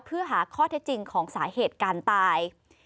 เพื่อหาข้อเท็จจริงของสาเหตุการตาย